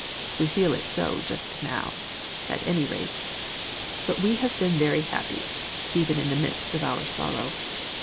We feel it so just now, at any rate; but we have been very happy, even in the midst of our sorrow.